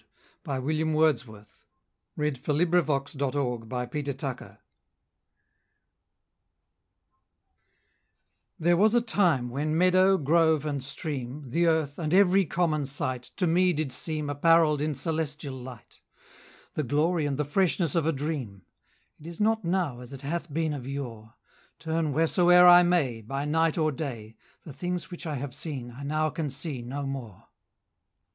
Ode Intimations of Immortality from Recollections of Early Childhood THERE was a time when meadow, grove, and stream, The earth, and every common sight, To me did seem Apparell'd in celestial light, The glory and the freshness of a dream. 5 It is not now as it hath been of yore;— Turn wheresoe'er I may, By night or day, The things which I have seen I now can see no more.